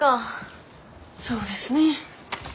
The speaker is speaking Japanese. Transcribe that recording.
そうですね。